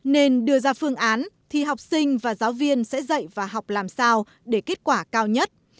nên đưa ra phương án thì học sinh và giáo viên sẽ dạy và học làm sao để kết quả cao nhất